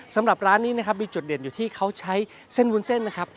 สำหรับร้านนี้นะครับมีจุดเด่นอยู่ที่เขาใช้เส้นวุ้นเส้นนะครับ